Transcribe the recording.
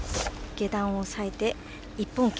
下段を押さえて一本受け。